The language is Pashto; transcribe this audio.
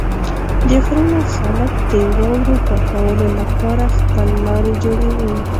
د غرونو خلک د واورو پاکولو لپاره خپل لارې جوړوي.